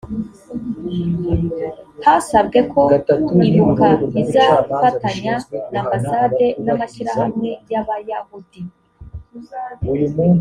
hasabwe ko ibuka izafatanya n ambassade n amashyirahamwe y abayahudi